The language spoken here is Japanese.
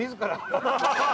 ハハハハ！